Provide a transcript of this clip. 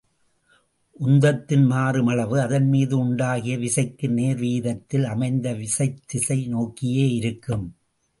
உந்தத்தின்மாறுமளவு அதன்மீது உண்டாகிய விசைக்கு நேர்வீதத்தில் அமைந்து விசைத்திசை நோக்கியே இருக்கும்.